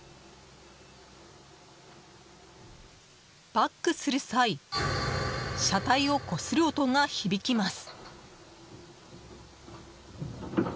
バックする際車体をこする音が響きます。